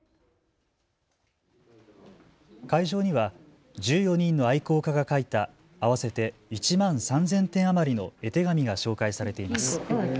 会場には１４人の愛好家が描いた合わせて１万３０００点余りの絵手紙が紹介されています。